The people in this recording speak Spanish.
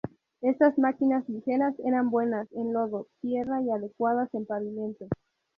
Estas máquinas ligeras eran buenas en lodo, tierra y adecuadas en el pavimento.